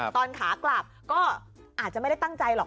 ขากลับก็อาจจะไม่ได้ตั้งใจหรอก